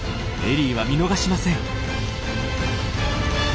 エリーは見逃しません。